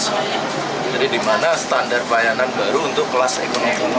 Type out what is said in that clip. jadi dimana standar bayanan baru untuk kelas ekonomi